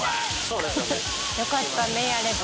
よかったねやれて。